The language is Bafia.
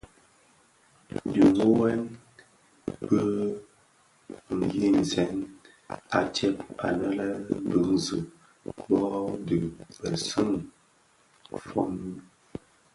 Di tsyoghèn bi nynzèn a tsèb anë a binzi bo dhi binèsun fomin.